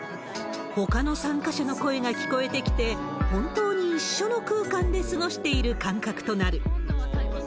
ほかの参加者の声が聞こえてきて、本当に一緒の空間で過ごしている感覚となる。